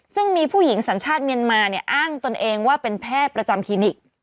ซึ่งมีผู้หญิงสัญชาติเมียนมาเนี่ยอ้างตนเองว่าเป็นแพทย์ประจำคลินิก